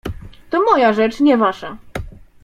"To moja rzecz, nie wasza."